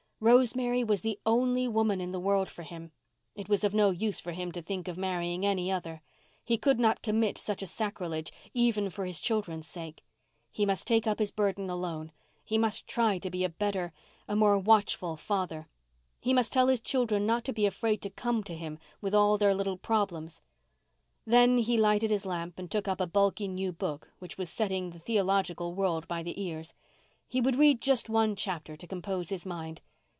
Rosemary was the only woman in the world for him. It was of no use for him to think of marrying any other. He could not commit such a sacrilege even for his children's sake. He must take up his burden alone—he must try to be a better, a more watchful father—he must tell his children not to be afraid to come to him with all their little problems. Then he lighted his lamp and took up a bulky new book which was setting the theological world by the ears. He would read just one chapter to compose his mind.